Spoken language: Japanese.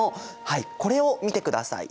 はいこれを見てください。